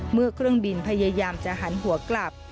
เครื่องบินพยายามจะหันหัวกลับ